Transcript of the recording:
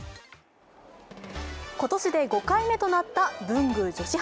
今年で５回目となった文具女子博。